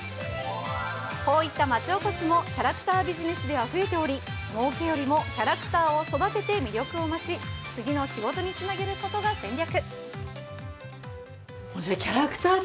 こういった町おこしもキャラクタービジネスでは増えておりもうけよりもキャラクターを育てて魅力を増し次の仕事につなげることが戦略。